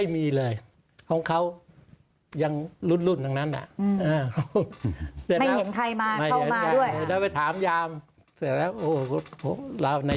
คนที่ลงพยาบาลเลย